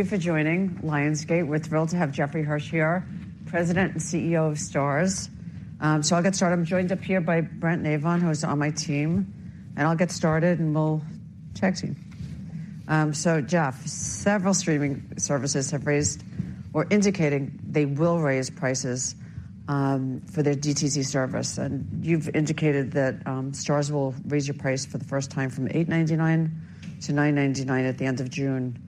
Thank you for joining Lionsgate. We're thrilled to have Jeffrey Hirsch here, president and CEO of STARZ. So I'll get started. I'm joined up here by Brent Navon, who is on my team, and I'll get started, and we'll chat to you. So Jeff, several streaming services have raised or indicated they will raise prices for their DTC service, and you've indicated that STARZ will raise your price for the first time from $8.99 to $9.99 at the end of June.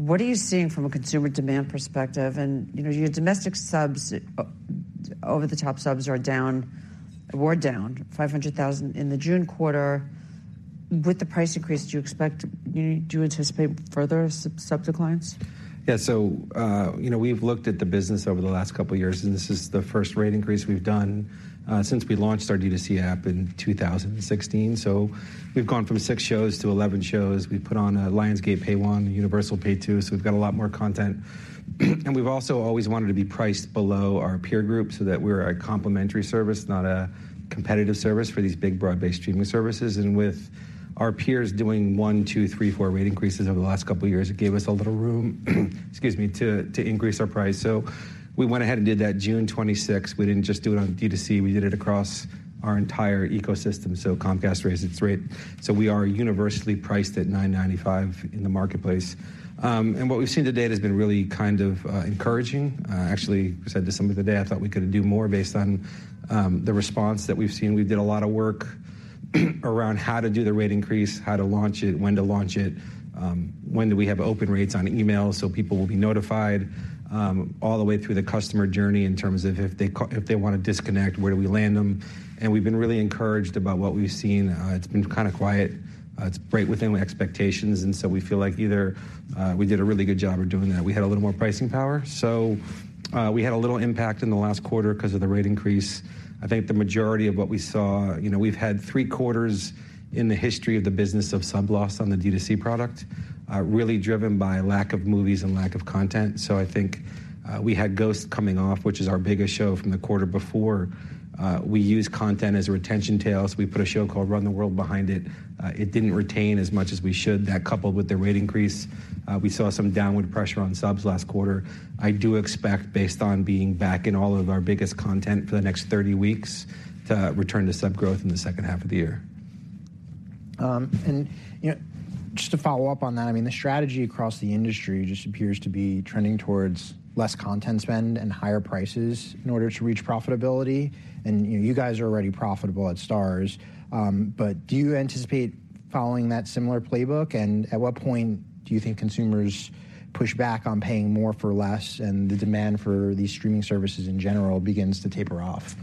What are you seeing from a consumer demand perspective? And, you know, your domestic subs, over-the-top subs are down, were down 500,000 in the June quarter. With the price increase, do you expect, do you anticipate further sub declines? Yeah. So, you know, we've looked at the business over the last couple of years, and this is the first rate increase we've done since we launched our DTC app in 2016. So we've gone from six shows to 11 shows. We put on a Lionsgate Pay One, Universal Pay Two, so we've got a lot more content. And we've also always wanted to be priced below our peer group so that we're a complimentary service, not a competitive service for these big, broad-based streaming services. And with our peers doing one, two, three, four rate increases over the last couple of years, it gave us a little room, excuse me, to increase our price. So we went ahead and did that June 26th. We didn't just do it on DTC, we did it across our entire ecosystem. So Comcast raised its rate, so we are universally priced at $9.95 in the marketplace. And what we've seen to date has been really kind of encouraging. Actually, I said to somebody the other day, I thought we could do more based on the response that we've seen. We did a lot of work around how to do the rate increase, how to launch it, when to launch it, when do we have open rates on emails, so people will be notified, all the way through the customer journey in terms of if they co-- if they want to disconnect, where do we land them? And we've been really encouraged about what we've seen. It's been kind of quiet. It's right within my expectations, and so we feel like either we did a really good job of doing that. We had a little more pricing power, so we had a little impact in the last quarter because of the rate increase. I think the majority of what we saw. You know, we've had three quarters in the history of the business of sub loss on the DTC product, really driven by lack of movies and lack of content. So I think we had Ghost coming off, which is our biggest show from the quarter before. We use content as a retention tail, so we put a show called Run the World behind it. It didn't retain as much as we should. That, coupled with the rate increase, we saw some downward pressure on subs last quarter. I do expect, based on being back in all of our biggest content for the next 30 weeks, the return to sub growth in the second half of the year. You know, just to follow up on that, I mean, the strategy across the industry just appears to be trending towards less content spend and higher prices in order to reach profitability. You know, you guys are already profitable at STARZ, but do you anticipate following that similar playbook? At what point do you think consumers push back on paying more for less, and the demand for these streaming services in general begins to taper off?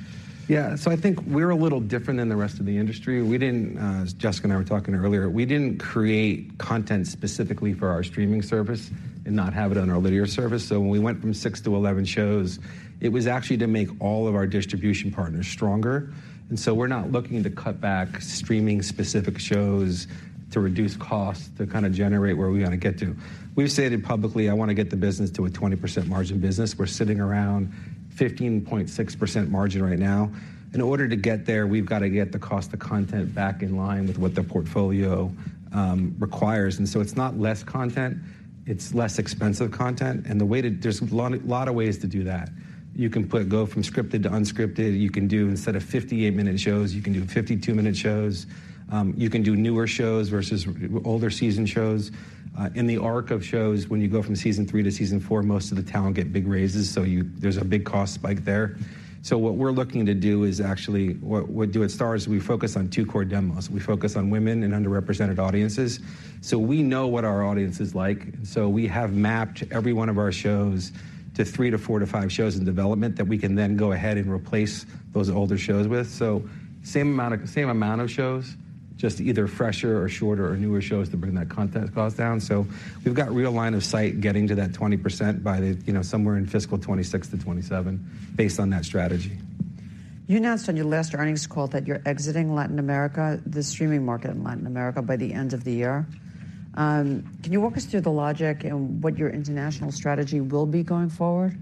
Yeah. So I think we're a little different than the rest of the industry. We didn't, as Jessica and I were talking earlier, we didn't create content specifically for our streaming service and not have it on our linear service. So when we went from six to 11 shows, it was actually to make all of our distribution partners stronger. And so we're not looking to cut back streaming specific shows to reduce costs, to kind of generate where we want to get to. We've stated publicly, I want to get the business to a 20% margin business. We're sitting around 15.6% margin right now. In order to get there, we've got to get the cost of content back in line with what the portfolio requires. And so it's not less content, it's less expensive content. And the way to... There's a lot, lot of ways to do that. You can put, go from scripted to unscripted. You can do, instead of 58-minute shows, you can do 52-minute shows. You can do newer shows versus older season shows. In the arc of shows, when you go from season three to season four, most of the talent get big raises, so there's a big cost spike there. So what we're looking to do is actually... What, what we do at STARZ is we focus on two core demos. We focus on women and underrepresented audiences. So we know what our audience is like. So we have mapped every one of our shows to three to four to five shows in development that we can then go ahead and replace those older shows with. So same amount of shows, just either fresher or shorter or newer shows to bring that content cost down. So we've got real line of sight getting to that 20% by the, you know, somewhere in fiscal 2026-2027 based on that strategy. You announced on your last earnings call that you're exiting Latin America, the streaming market in Latin America, by the end of the year. Can you walk us through the logic and what your international strategy will be going forward?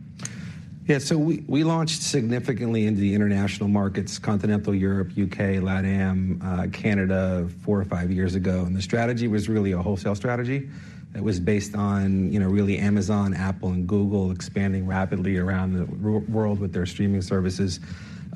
Yeah. So we launched significantly into the international markets, Continental Europe, UK, LATAM, Canada, four or five years ago, and the strategy was really a wholesale strategy that was based on, you know, really Amazon, Apple, and Google expanding rapidly around the world with their streaming services.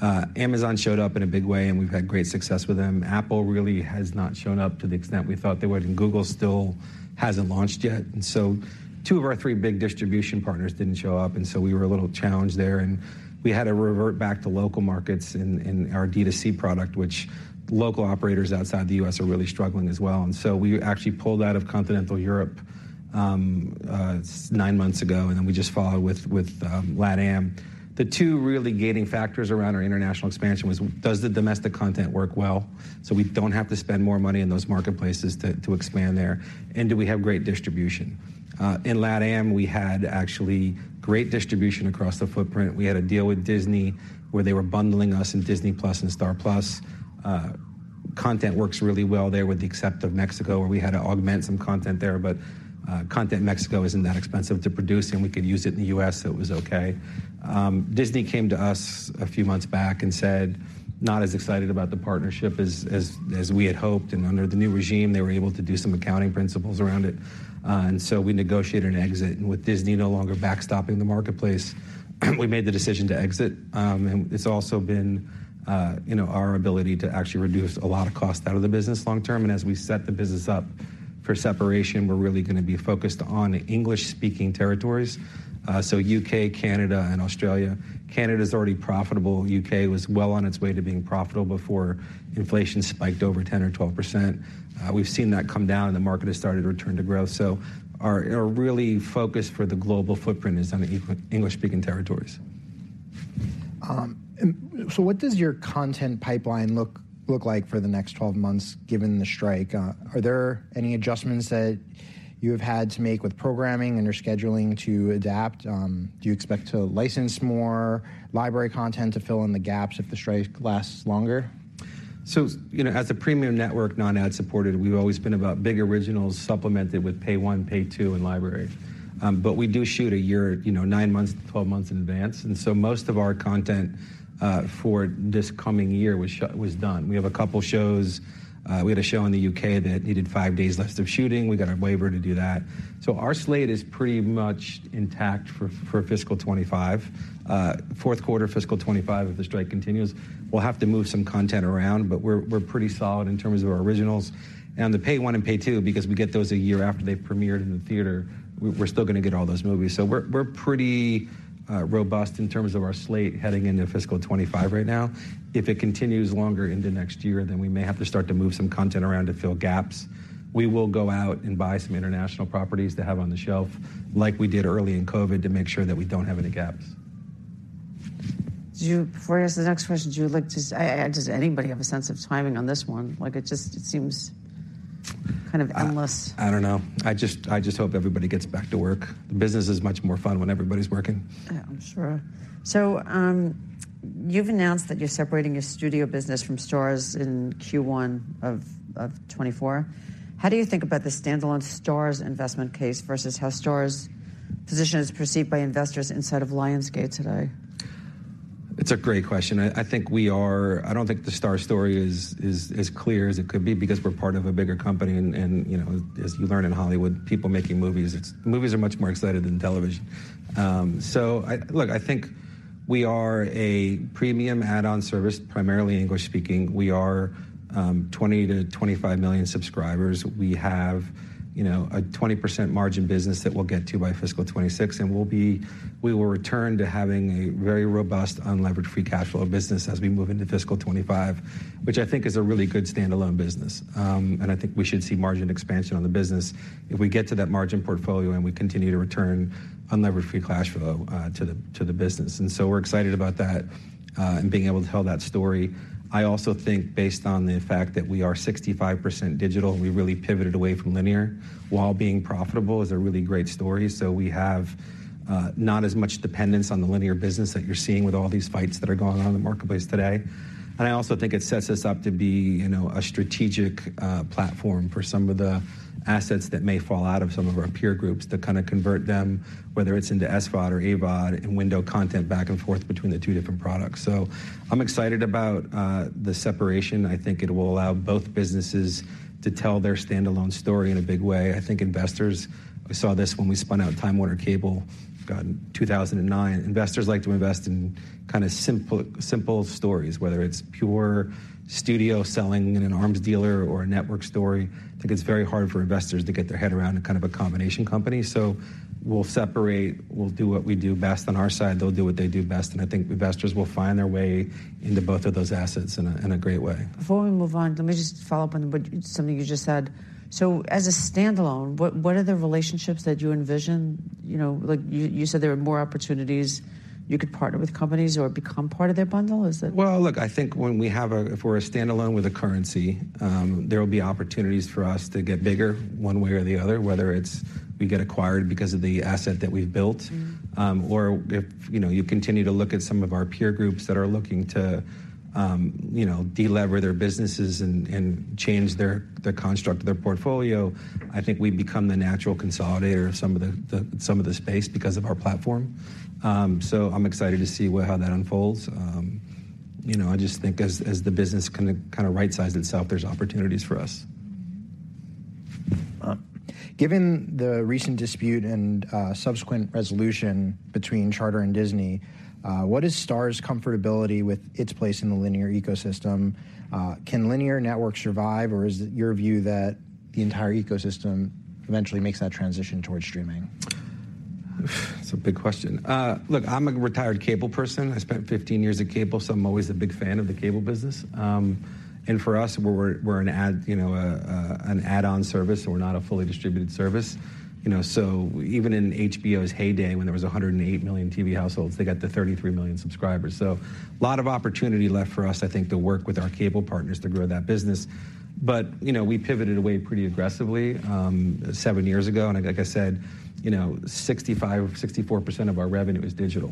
Amazon showed up in a big way, and we've had great success with them. Apple really has not shown up to the extent we thought they would, and Google still hasn't launched yet. And so two of our three big distribution partners didn't show up, and so we were a little challenged there, and we had to revert back to local markets in our DTC product, which local operators outside the U.S. are really struggling as well. We actually pulled out of Continental Europe nine months ago, and then we just followed with LATAM. The two really gating factors around our international expansion was, does the domestic content work well? So we don't have to spend more money in those marketplaces to expand there, and do we have great distribution? In LATAM, we had actually great distribution across the footprint. We had a deal with Disney, where they were bundling us in Disney+ and Star+. Content works really well there with the exception of Mexico, where we had to augment some content there. But content in Mexico isn't that expensive to produce, and we could use it in the U.S., so it was okay. Disney came to us a few months back and said, "Not as excited about the partnership as we had hoped." Under the new regime, they were able to do some accounting principles around it. And so we negotiated an exit, and with Disney no longer backstopping the marketplace, we made the decision to exit. And it's also been, you know, our ability to actually reduce a lot of costs out of the business long term. As we set the business up for separation, we're really gonna be focused on English-speaking territories, so U.K., Canada, and Australia. Canada's already profitable. U.K. was well on its way to being profitable before inflation spiked over 10 or 12%. We've seen that come down, and the market has started to return to growth. So our real focus for the global footprint is on the English-speaking territories. So what does your content pipeline look like for the next 12 months, given the strike? Are there any adjustments that you have had to make with programming and your scheduling to adapt? Do you expect to license more library content to fill in the gaps if the strike lasts longer? So, you know, as a premium network, non-ad supported, we've always been about big originals supplemented with Pay One, Pay Two, and library. But we do shoot a year, you know, nine months to 12 months in advance, and so most of our content for this coming year was done. We have a couple shows. We had a show in the U.K. that needed five days left of shooting. We got a waiver to do that. So our slate is pretty much intact for fiscal 2025. Fourth quarter, fiscal 2025, if the strike continues, we'll have to move some content around, but we're pretty solid in terms of our originals. And the Pay One and Pay Two, because we get those a year after they've premiered in the theater, we're still gonna get all those movies. So we're pretty robust in terms of our slate heading into fiscal 25 right now. If it continues longer into next year, then we may have to start to move some content around to fill gaps. We will go out and buy some international properties to have on the shelf, like we did early in COVID, to make sure that we don't have any gaps. Before I ask the next question, does anybody have a sense of timing on this one? Like, it just seems kind of endless. I don't know. I just hope everybody gets back to work. The business is much more fun when everybody's working. Yeah, I'm sure. So, you've announced that you're separating your studio business from STARZ in Q1 of 2024. How do you think about the standalone STARZ investment case versus how STARZ's position is perceived by investors inside of Lionsgate today? It's a great question. I think we are. I don't think the STARZ story is as clear as it could be because we're part of a bigger company. And you know, as you learn in Hollywood, people making movies, it's. Movies are much more excited than television. So I. Look, I think we are a premium add-on service, primarily English-speaking. We are 20-25 million subscribers. We have, you know, a 20% margin business that we'll get to by fiscal 2026, and we'll be. We will return to having a very robust, unlevered free cash flow business as we move into fiscal 2025, which I think is a really good standalone business. And I think we should see margin expansion on the business if we get to that margin portfolio, and we continue to return unlevered free cash flow to the business. So we're excited about that and being able to tell that story. I also think based on the fact that we are 65% digital, we really pivoted away from linear while being profitable, is a really great story. We have not as much dependence on the linear business that you're seeing with all these fights that are going on in the marketplace today. And I also think it sets us up to be, you know, a strategic, platform for some of the assets that may fall out of some of our peer groups to kinda convert them, whether it's into SVOD or AVOD, and window content back and forth between the two different products. So I'm excited about the separation. I think it will allow both businesses to tell their standalone story in a big way. I think investors, we saw this when we spun out Time Warner Cable in 2009. Investors like to invest in kinda simple, simple stories, whether it's pure studio selling and an arms dealer or a network story. I think it's very hard for investors to get their head around in kind of a combination company. So we'll separate. We'll do what we do best on our side. They'll do what they do best, and I think investors will find their way into both of those assets in a great way. Before we move on, let me just follow up on something you just said. So as a standalone, what are the relationships that you envision? You know, like you said there are more opportunities. You could partner with companies or become part of their bundle, is it? Well, look, I think when we have—if we're a standalone with a currency, there will be opportunities for us to get bigger one way or the other, whether it's we get acquired because of the asset that we've built. Mm-hmm. Or if, you know, you continue to look at some of our peer groups that are looking to, you know, de-lever their businesses and, and change their, the construct of their portfolio, I think we become the natural consolidator of some of the, the, some of the space because of our platform. So I'm excited to see where how that unfolds. You know, I just think as, as the business kind of, kind of rightsize itself, there's opportunities for us. Given the recent dispute and subsequent resolution between Charter and Disney, what is STARZ's comfortability with its place in the linear ecosystem? Can linear networks survive, or is it your view that the entire ecosystem eventually makes that transition towards streaming? That's a big question. Look, I'm a retired cable person. I spent 15 years at cable, so I'm always a big fan of the cable business. And for us, we're an add-on service, you know, so we're not a fully distributed service. You know, so even in HBO's heyday, when there was 108 million TV households, they got to 33 million subscribers. So a lot of opportunity left for us, I think, to work with our cable partners to grow that business. But, you know, we pivoted away pretty aggressively seven years ago, and like I said, you know, 64% of our revenue is digital.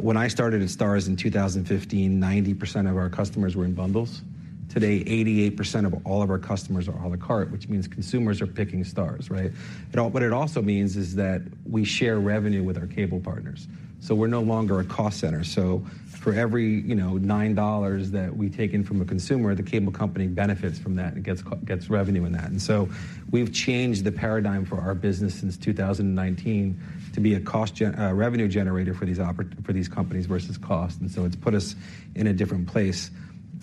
When I started at STARZ in 2015, 90% of our customers were in bundles. Today, 88% of all of our customers are a la carte, which means consumers are picking STARZ, right? But what it also means is that we share revenue with our cable partners, so we're no longer a cost center. So for every, you know, $9 that we take in from a consumer, the cable company benefits from that and gets revenue in that. And so we've changed the paradigm for our business since 2019 to be a revenue generator for these companies versus cost, and so it's put us in a different place.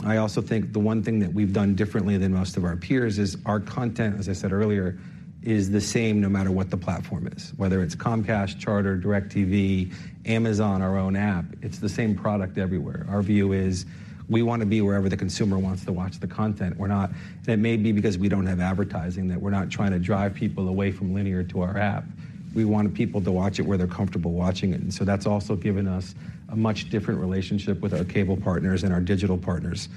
I also think the one thing that we've done differently than most of our peers is our content, as I said earlier, is the same, no matter what the platform is, whether it's Comcast, Charter, DirecTV, Amazon, our own app. It's the same product everywhere. Our view is we want to be wherever the consumer wants to watch the content. We're not. That may be because we don't have advertising, that we're not trying to drive people away from linear to our app. We want people to watch it where they're comfortable watching it, and so that's also given us a much different relationship with our cable partners and our digital partners.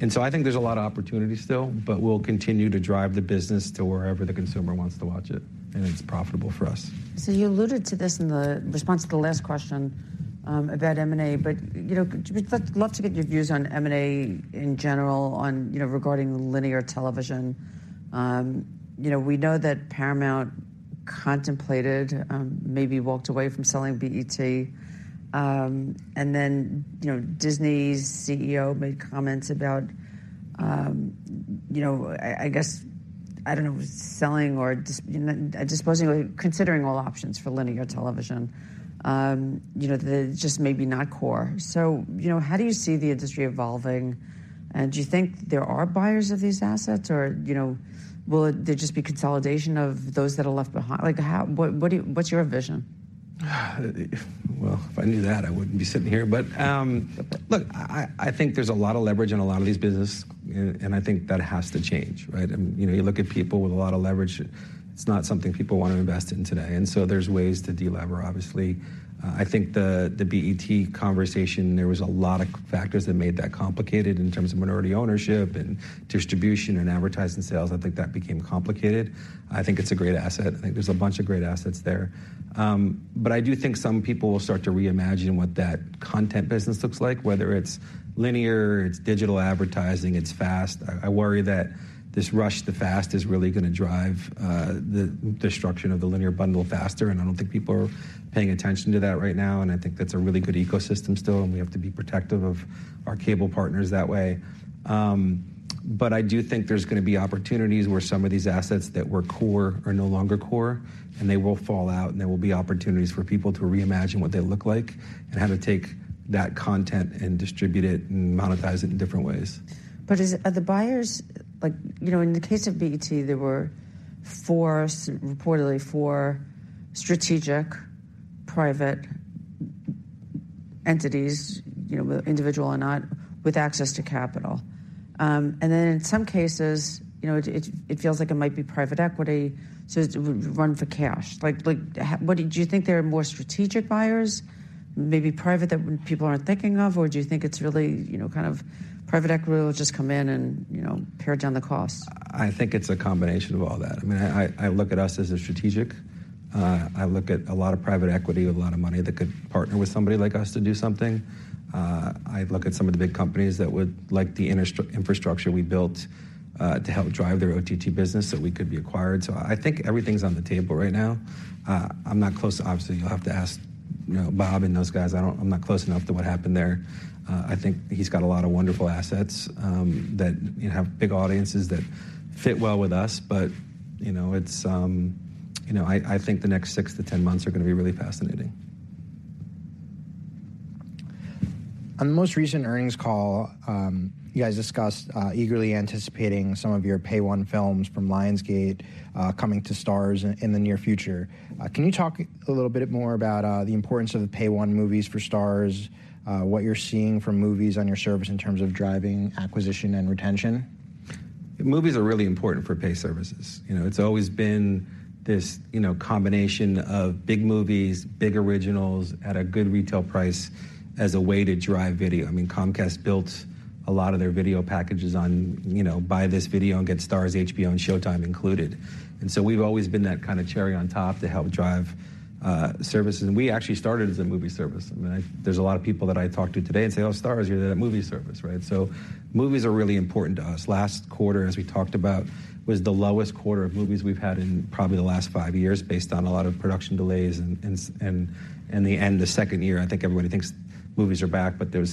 And so I think there's a lot of opportunity still, but we'll continue to drive the business to wherever the consumer wants to watch it, and it's profitable for us. So you alluded to this in the response to the last question, about M&A, but, you know, we'd love, love to get your views on M&A in general, on, you know, regarding linear television. You know, we know that Paramount contemplated, maybe walked away from selling BET. And then, you know, Disney's CEO made comments about, you know, I, I guess, I don't know, selling or disposing, considering all options for linear television, you know, the just maybe not core. So, you know, how do you see the industry evolving, and do you think there are buyers of these assets or, you know, will there just be consolidation of those that are left behind? Like, how-- what, what do you-- what's your vision? Well, if I knew that, I wouldn't be sitting here. But, look, I think there's a lot of leverage in a lot of these businesses, and I think that has to change, right? You know, you look at people with a lot of leverage, it's not something people want to invest in today, and so there's ways to de-lever, obviously. I think the BET conversation, there was a lot of factors that made that complicated in terms of minority ownership and distribution and advertising sales. I think that became complicated. I think it's a great asset. I think there's a bunch of great assets there. But I do think some people will start to reimagine what that content business looks like, whether it's linear, it's digital advertising, it's FAST. I worry that this rush to FAST is really gonna drive the destruction of the linear bundle faster, and I don't think people are paying attention to that right now, and I think that's a really good ecosystem still, and we have to be protective of our cable partners that way. But I do think there's gonna be opportunities where some of these assets that were core are no longer core, and they will fall out, and there will be opportunities for people to reimagine what they look like and how to take that content and distribute it and monetize it in different ways. Are the buyers—like, you know, in the case of BET, there were four, reportedly four strategic private entities, you know, whether individual or not, with access to capital. And then in some cases, you know, it feels like it might be private equity, so it would run for cash. Like, what do you think there are more strategic buyers, maybe private, that people aren't thinking of, or do you think it's really, you know, kind of private equity will just come in and, you know, pare down the cost? I think it's a combination of all that. I mean, I look at us as a strategic. I look at a lot of private equity with a lot of money that could partner with somebody like us to do something. I look at some of the big companies that would like the infrastructure we built to help drive their OTT business so we could be acquired. So I think everything's on the table right now. I'm not close to... Obviously, you'll have to ask, you know, Bob and those guys. I don't. I'm not close enough to what happened there. I think he's got a lot of wonderful assets that, you know, have big audiences that fit well with us. But, you know, it's, you know, I think the next 6-10 months are gonna be really fascinating. On the most recent earnings call, you guys discussed eagerly anticipating some of your Pay One films from Lionsgate coming to STARZ in the near future. Can you talk a little bit more about the importance of the Pay One movies for STARZ, what you're seeing from movies on your service in terms of driving acquisition and retention? Movies are really important for pay services. You know, it's always been this, you know, combination of big movies, big originals at a good retail price as a way to drive video. I mean, Comcast built a lot of their video packages on, you know, buy this video and get STARZ, HBO, and Showtime included. And so we've always been that kind of cherry on top to help drive services. And we actually started as a movie service. I mean, there's a lot of people that I talk to today and say, "Oh, STARZ, you're that movie service," right? So movies are really important to us. Last quarter, as we talked about, was the lowest quarter of movies we've had in probably the last five years, based on a lot of production delays and the end of the second year. I think everybody thinks movies are back, but we're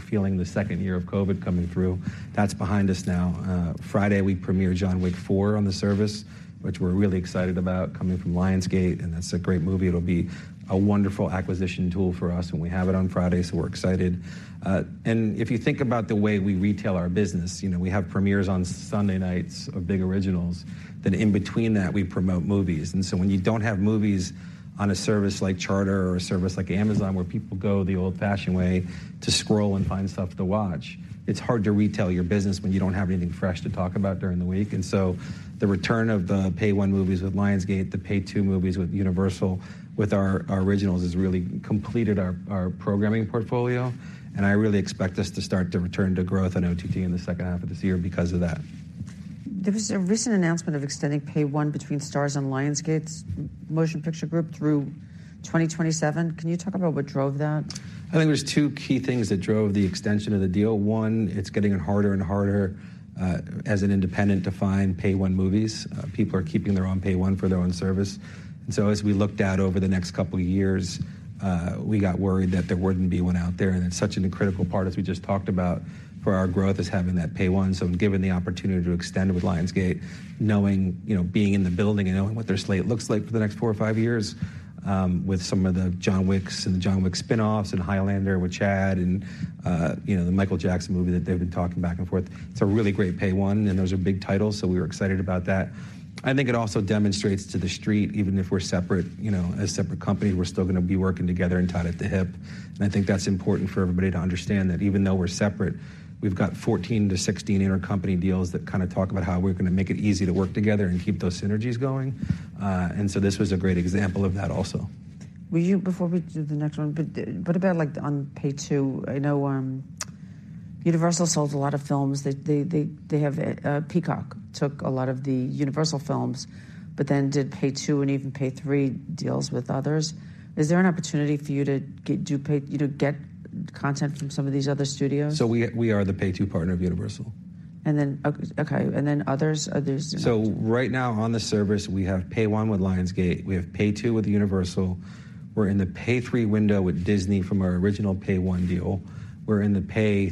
feeling the second year of COVID coming through. That's behind us now. Friday, we premiere John Wick 4 on the service, which we're really excited about, coming from Lionsgate, and that's a great movie. It'll be a wonderful acquisition tool for us, and we have it on Friday, so we're excited. And if you think about the way we retail our business, you know, we have premieres on Sunday nights of big originals. Then in between that, we promote movies. And so when you don't have movies on a service like Charter or a service like Amazon, where people go the old-fashioned way to scroll and find stuff to watch, it's hard to retail your business when you don't have anything fresh to talk about during the week. And so the return of the Pay One movies with Lionsgate, the Pay Two movies with Universal, with our originals, has really completed our programming portfolio, and I really expect us to start to return to growth on OTT in the second half of this year because of that.... There was a recent announcement of extending pay one between STARZ and Lionsgate's Motion Picture Group through 2027. Can you talk about what drove that? I think there's two key things that drove the extension of the deal. One, it's getting harder and harder, as an independent to find pay-one movies. People are keeping their own pay one for their own service. And so as we looked out over the next couple of years, we got worried that there wouldn't be one out there. And it's such a critical part, as we just talked about, for our growth, is having that pay one. So given the opportunity to extend with Lionsgate, knowing, you know, being in the building and knowing what their slate looks like for the next four or five years, with some of the John Wicks and the John Wick spin-offs and Highlander with Chad and, you know, the Michael Jackson movie that they've been talking back and forth. It's a really great Pay One, and those are big titles, so we were excited about that. I think it also demonstrates to the street, even if we're separate, you know, as separate companies, we're still gonna be working together and tied at the hip. And I think that's important for everybody to understand, that even though we're separate, we've got 14-16 intercompany deals that kinda talk about how we're gonna make it easy to work together and keep those synergies going. And so this was a great example of that also. Before we do the next one, but what about, like, on Pay Two? I know Universal sold a lot of films. They have Peacock took a lot of the Universal films, but then did Pay Two and even Pay Three deals with others. Is there an opportunity for you to get, do pay—you know, get content from some of these other studios? We are the Pay Two partner of Universal. And then others. So right now on the service, we have pay one with Lionsgate. We have pay two with Universal. We're in the pay three window with Disney from our original pay one deal. We're in the pay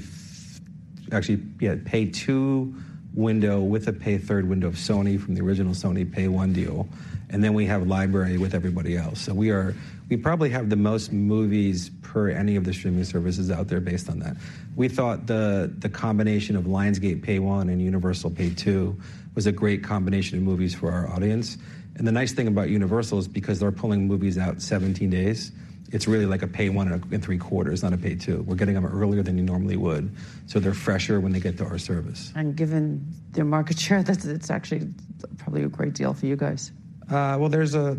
two window with a pay third window of Sony from the original Sony pay one deal. And then we have library with everybody else. So we are we probably have the most movies per any of the streaming services out there based on that. We thought the combination of Lionsgate pay one and Universal pay two was a great combination of movies for our audience. And the nice thing about Universal is because they're pulling movies out 17 days, it's really like a pay one and a three quarters, not a pay two. We're getting them earlier than you normally would, so they're fresher when they get to our service. Given their market share, that it's actually probably a great deal for you guys. Well, there's a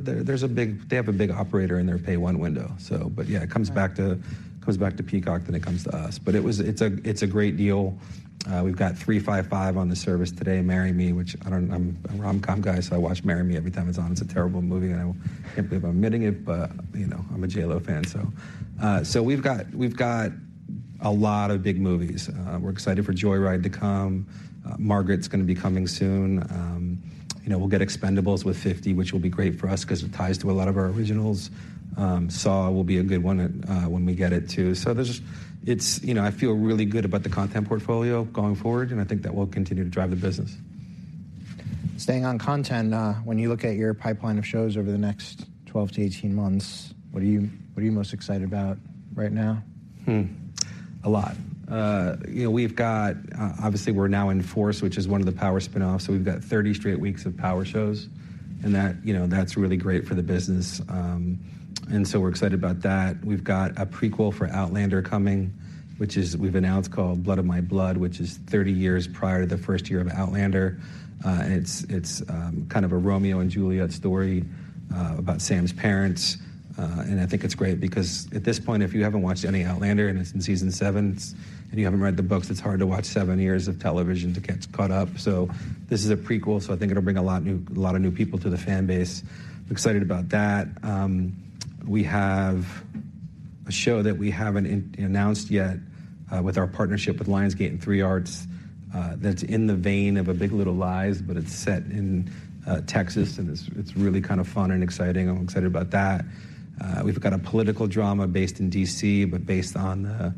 big—they have a big operator in their Pay One window. So, but, yeah, it comes back- Right. -to, comes back to Peacock, then it comes to us. But it's a great deal. We've got 355 on the service today, Marry Me, which I'm a rom-com guy, so I watch Marry Me every time it's on. It's a terrible movie, and I'm guilty of admitting it, but, you know, I'm a J.Lo fan, so. So we've got a lot of big movies. We're excited for Joy Ride to come. Margaret's gonna be coming soon. You know, we'll get Expendables 4, which will be great for us 'cause it ties to a lot of our originals. Saw will be a good one when we get it, too. So, you know, I feel really good about the content portfolio going forward, and I think that will continue to drive the business. Staying on content, when you look at your pipeline of shows over the next 12-18 months, what are you, what are you most excited about right now? Hmm. A lot. You know, we've got—obviously, we're now in Force, which is one of the Power spin-offs, so we've got 30 straight weeks of Power shows, and that, you know, that's really great for the business. And so we're excited about that. We've got a prequel for Outlander coming, which we've announced, called Blood of My Blood, which is 30 years prior to the first year of Outlander. And it's kind of a Romeo and Juliet story about Sam's parents. And I think it's great because, at this point, if you haven't watched any Outlander, and it's in season seven, and you haven't read the books, it's hard to watch seven years of television to get caught up. So this is a prequel, so I think it'll bring a lot new, a lot of new people to the fan base. Excited about that. We have a show that we haven't announced yet, with our partnership with Lionsgate and 3 Arts, that's in the vein of a Big Little Lies, but it's set in Texas, and it's really kind of fun and exciting. I'm excited about that. We've got a political drama based in D.C., but based on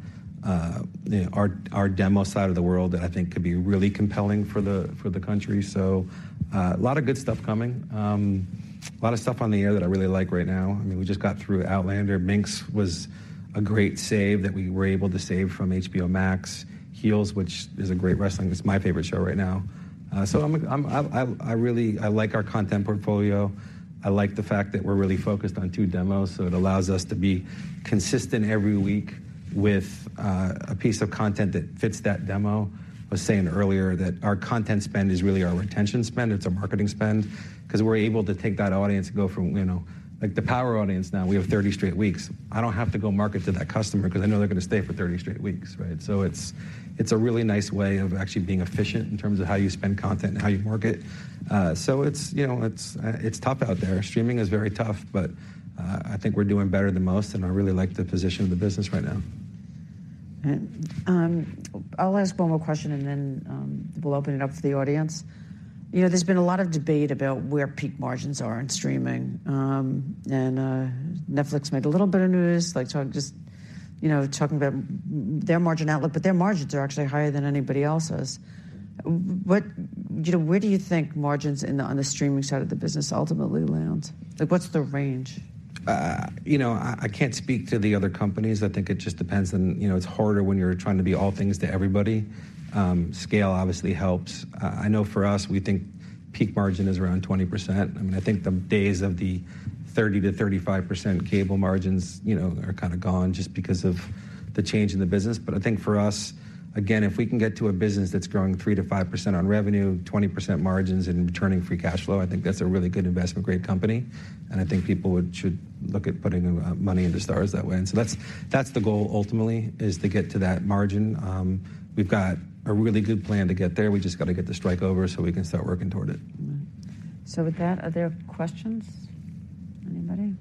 you know, our demo side of the world, that I think could be really compelling for the country. So a lot of good stuff coming. A lot of stuff on the air that I really like right now. I mean, we just got through Outlander. Minx was a great save that we were able to save from HBO Max. Heels, which is a great wrestling, it's my favorite show right now. So I really, I like our content portfolio. I like the fact that we're really focused on two demos, so it allows us to be consistent every week with a piece of content that fits that demo. I was saying earlier that our content spend is really our retention spend, it's our marketing spend, 'cause we're able to take that audience and go from, you know, like, the Power audience, now we have 30 straight weeks. I don't have to go market to that customer because I know they're going to stay for 30 straight weeks, right? So it's, it's a really nice way of actually being efficient in terms of how you spend content and how you market. So it's, you know, it's tough out there. Streaming is very tough, but I think we're doing better than most, and I really like the position of the business right now. I'll ask one more question, and then we'll open it up to the audience. You know, there's been a lot of debate about where peak margins are in streaming. Netflix made a little bit of news, like, talking, just, you know, talking about their margin outlook, but their margins are actually higher than anybody else's. What, you know, where do you think margins in the, on the streaming side of the business ultimately land? Like, what's the range? You know, I can't speak to the other companies. I think it just depends on... You know, it's harder when you're trying to be all things to everybody. Scale obviously helps. I know for us, we think peak margin is around 20%. I mean, I think the days of the 30%-35% cable margins, you know, are kinda gone just because of the change in the business. But I think for us, again, if we can get to a business that's growing 3%-5% on revenue, 20% margins and returning free cash flow, I think that's a really good investment, great company. And I think people would, should look at putting money into STARZ that way. And so that's, that's the goal ultimately, is to get to that margin. We've got a really good plan to get there. We just got to get the strike over so we can start working toward it. So with that, are there questions? Anybody?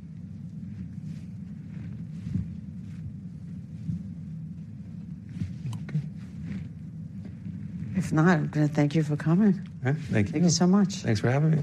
Okay. If not, then thank you for coming. Yeah. Thank you. Thank you so much. Thanks for having me.